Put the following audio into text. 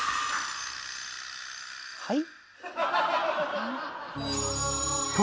はい？